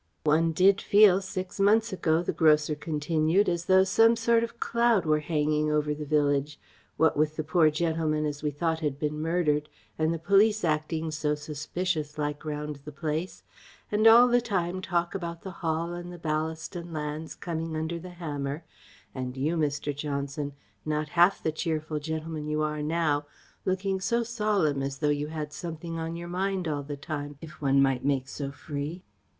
"One did feel six months ago," the grocer continued, "as though some sort of cloud were hanging over the village, what with the poor gentleman as we thought had been murdered, and the police acting so suspicious like round the place, and all the time talk about the Hall and the Ballaston lands coming under the hammer, and you, Mr. Johnson, not half the cheerful gentleman you are now, looking so solemn as though you had something on your mind all the time, if one might make so free."